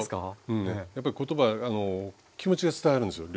うんやっぱり言葉気持ちが伝わるんですよ